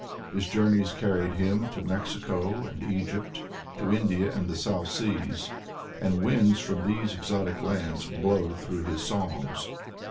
His Journeya carried him to Mexico and Hgypt, to India and the South Seas, and winds from these exotic lands blow through his songs.